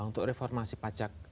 untuk reformasi pajak